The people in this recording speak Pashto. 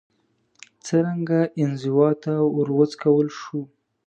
څرنګه انزوا ته وروڅکول شو